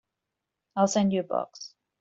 I'll send you a box.